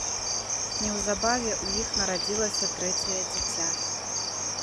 Неўзабаве ў іх нарадзілася трэцяе дзіця.